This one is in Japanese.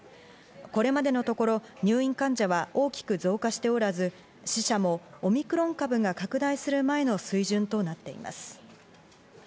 これまでのところ入院患者は大きく増加しておらず、死者もオミクロン株が拡大する前の水準となっています。